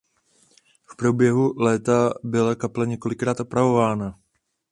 V průběhu let byla kaple několikrát opravována.